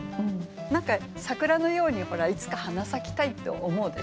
何か桜のようにほらいつか花咲きたいって思うでしょう？